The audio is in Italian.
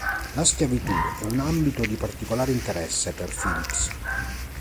La schiavitù è un ambito di particolare interesse per Phillips.